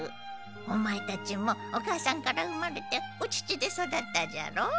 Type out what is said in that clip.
オマエたちもお母さんから生まれてお乳で育ったじゃろう。